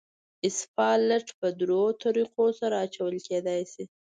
اسفالټ په دریو طریقو سره اچول کېدای شي